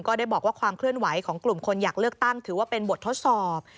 ได้บอกว่าความเคลื่อนไหวของกลุ่มคนอยากเลือกตั้งถือว่าเป็นบททดสอบ